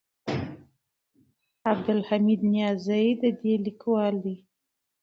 عبدالحمید نیازی د دې لیکوال دی.